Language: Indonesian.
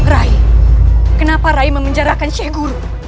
rai kenapa rai mengenjarakan sheikh guru